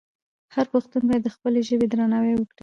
هر پښتون باید د خپلې ژبې درناوی وکړي.